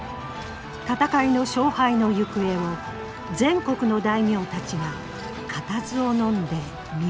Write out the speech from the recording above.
戦いの勝敗の行方を全国の大名たちが固唾をのんで見守っていた。